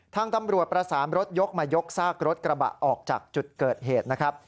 ทางตำรวจประสานรถยกมายกซากรถกระบะออกจากจุดเกิดเหตุนะครับ